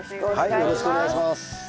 よろしくお願いします。